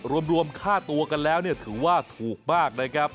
รวมค่าตัวกันแล้วถือว่าถูกมากนะครับ